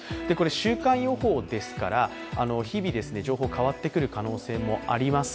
週間予報ですから、日々、情報変わってくる可能性もあります。